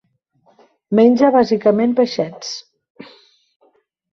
Menja bàsicament peixets.